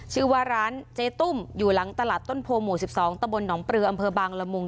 ชื่อว่าร้านเจ๊ตุ้มอยู่หลังตลาดต้นโพหมู่๑๒ตะบลหนองปลืออำเภอบางละมุง